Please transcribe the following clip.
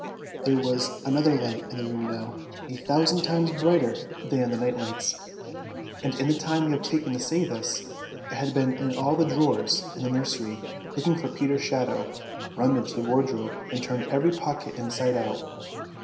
There was another light in the room now, a thousand times brighter than the night lights, and in the time we have taken to say this, it had been in all the drawers in the nursery, looking for Peter's shadow, rummaged the wardrobe and turned every pocket inside out.